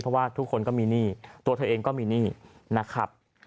เพราะว่าทุกคนก็มีหนี้ตัวเธอเองก็มีหนี้นะครับ